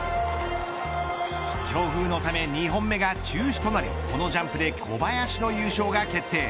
強風のため２本目が中止となりこのジャンプで小林の優勝が決定。